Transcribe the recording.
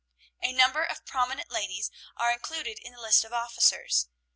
"A number of prominent ladies are included in the list of officers.